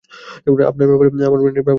আপনার ব্যাপারে আমার ব্রেনের ধারণা ভালো না!